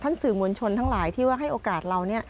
สื่อมวลชนทั้งหลายที่ว่าให้โอกาสเรา